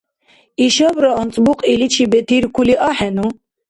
Ишабра анцӀбукь иличи бетиркули ахӀену?